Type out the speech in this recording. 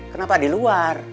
kenapa di luar